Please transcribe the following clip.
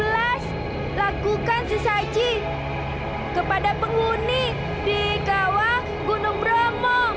lakukan sesaji kepada penghuni di kawah gunung bromo